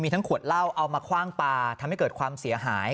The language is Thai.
ทั้งขวดเหล้าเอามาคว่างปลาทำให้เกิดความเสียหาย